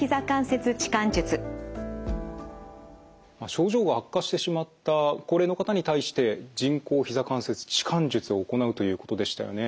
症状が悪化してしまった高齢の方に対して人工ひざ関節置換術を行うということでしたよね。